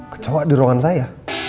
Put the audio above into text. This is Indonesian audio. kecowah di ruangan saya